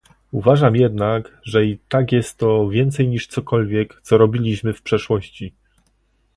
Uważam jednak, że i tak jest to więcej niż cokolwiek, co robiliśmy w przeszłości